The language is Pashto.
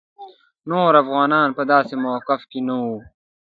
نور افغانان په داسې موقف کې نه وو.